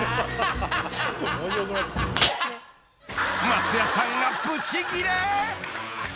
［松也さんがぶちギレ］